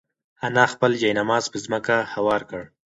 انا خپل جاینماز په ځمکه هوار کړ.